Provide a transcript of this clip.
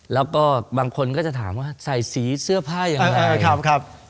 แล้วก็บางคนก็จะถามว่าใส่สีเสื้อผ้าอย่างไร